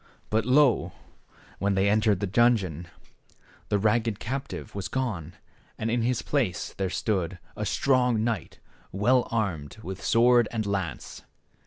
But, lo ! when they entered the dungeon, the ragged captive was gone, and in his place there stood a strong knight well armed with sword and lance.